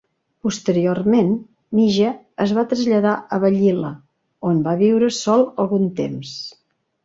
Posteriorment, Mige es va traslladar a Vallila, on va viure sol algun temps.